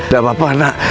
gak apa apa nek